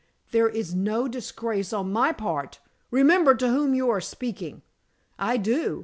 "There is no disgrace on my part. Remember to whom you are speaking." "I do.